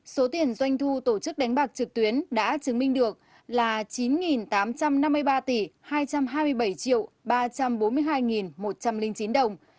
số tiền doanh thu tổ chức đánh bạc trực tuyến đã chứng minh được là chín tám trăm năm mươi ba tỷ hai trăm hai mươi bảy ba trăm bốn mươi hai một trăm linh chín đồng